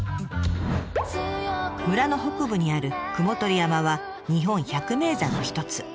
村の北部にある雲取山は日本百名山の一つ。